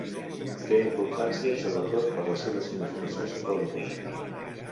Té importància sobretot per la seva significació simbòlica.